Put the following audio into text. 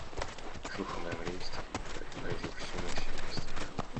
Слух о моем аресте поразил все мое семейство.